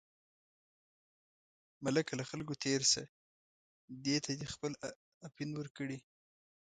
ملکه له خلکو تېر شه، دې ته دې خپل اپین ورکړي.